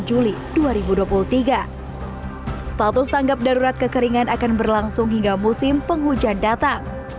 juli dua ribu dua puluh tiga status tanggap darurat kekeringan akan berlangsung hingga musim penghujan datang